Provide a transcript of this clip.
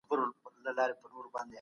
د زده کړې په بهیر کې وخت ته کتل کېږي.